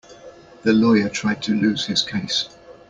The lawyer tried to lose his case.